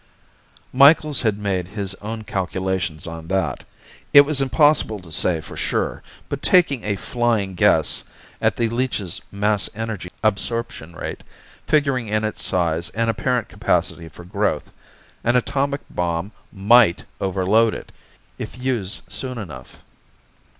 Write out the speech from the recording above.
Micheals had made his own calculations on that. It was impossible to say for sure, but taking a flying guess at the leech's mass energy absorption rate, figuring in its size and apparent capacity for growth, an atomic bomb might overload it if used soon enough.